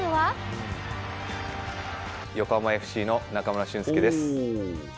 横浜ＦＣの中村俊輔です。